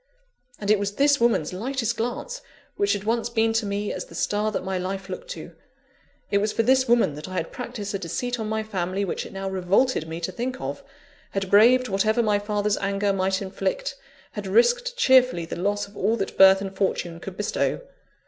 And it was this woman's lightest glance which had once been to me as the star that my life looked to! it was for this woman that I had practised a deceit on my family which it now revolted me to think of; had braved whatever my father's anger might inflict; had risked cheerfully the loss of all that birth and fortune could bestow!